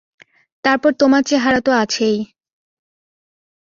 তারপর তোমার চেহারা তো আছেই!